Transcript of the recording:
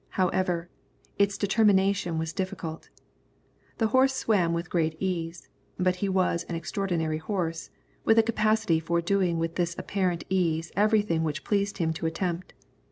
However, its determination was difficult. The horse swam with great ease, but he was an extraordinary horse, with a capacity for doing with this apparent ease everything which it pleased him to attempt.